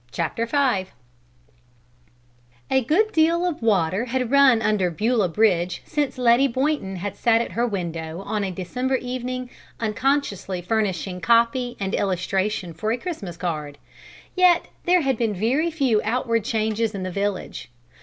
V A good deal of water had run under Beulah Bridge since Letty Boynton had sat at her window on a December evening unconsciously furnishing copy and illustration for a Christmas card; yet there had been very few outward changes in the village.